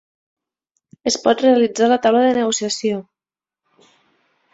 Es pot realitzar la taula de negociació